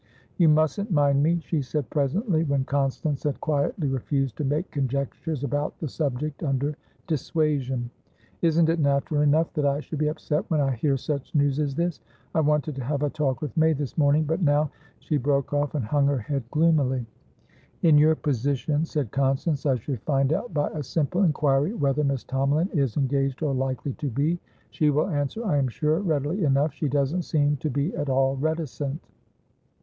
"You mustn't mind me," she said presently, when Constance had quietly refused to make conjectures about the subject under dissuasion. "Isn't it natural enough that I should be upset when I hear such news as this? I wanted to have a talk with May this morning, but now" She broke off, and hung her head gloomily. "In your position," said Constance, "I should find out by a simple inquiry whether Miss Tomalin is engaged or likely to be. She will answer, I am sure, readily enough. She doesn't seem to be at all reticent."